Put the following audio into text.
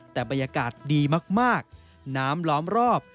แต่บรรยากาศดีมากน้ำล้อมรอบ